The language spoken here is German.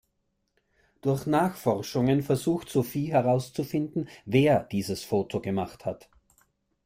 Durch Nachforschungen versucht Sophie herauszufinden, wer dieses Foto gemacht hat.